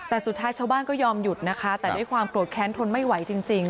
แต่สุดท้ายชาวบ้านก็ยอมหยุดนะคะแต่ด้วยความโกรธแค้นทนไม่ไหวจริง